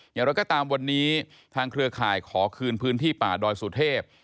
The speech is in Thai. อย่างไรก็ตามวันนี้ทางเครือข่ายขอคืนพื้นที่ป่าดอยสุเทพ